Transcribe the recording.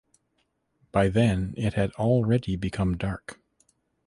By then it had already become dark.